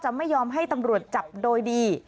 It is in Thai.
ไม่ยอมให้ตำรวจจับโดยดี